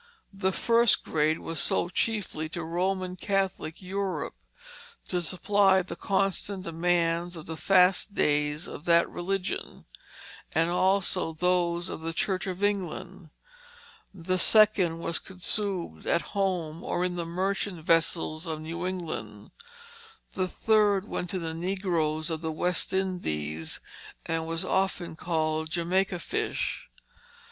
The first grade was sold chiefly to Roman Catholic Europe, to supply the constant demands of the fast days of that religion, and also those of the Church of England; the second was consumed at home or in the merchant vessels of New England; the third went to the negroes of the West Indies, and was often called Jamaica fish.